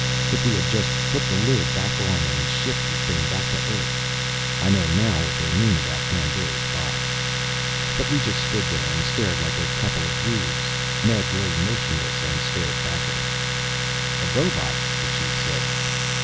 If we had just put the lid back on and shipped the thing back to earth! I know now what they mean about Pandora's Box. But we just stood there and stared like a couple of rubes. Ned lay motionless and stared back at us. "A robot!" the Chief said.